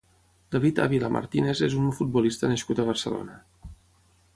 David Ávila Martínez és un futbolista nascut a Barcelona.